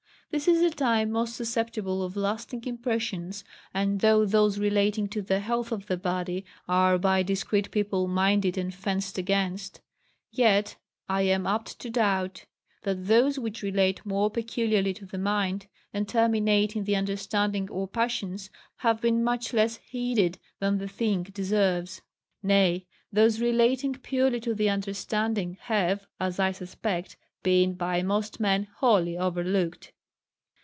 This is the time most susceptible of lasting impressions; and though those relating to the health of the body are by discreet people minded and fenced against, yet I am apt to doubt, that those which relate more peculiarly to the mind, and terminate in the understanding or passions, have been much less heeded than the thing deserves: nay, those relating purely to the understanding, have, as I suspect, been by most men wholly overlooked.